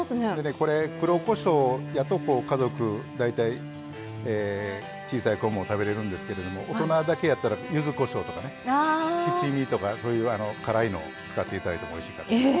これ黒こしょうやと家族大体小さい子も食べれるんですけれども大人だけやったらゆずこしょうとかね七味とかそういう辛いのを使っていただいてもおいしいかと思います。